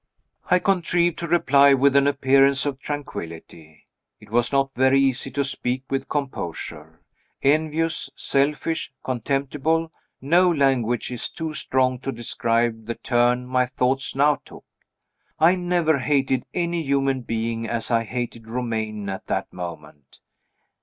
I contrived to reply with an appearance of tranquillity. It was not very easy to speak with composure. Envious, selfish, contemptible no language is too strong to describe the turn my thoughts now took. I never hated any human being as I hated Romayne at that moment.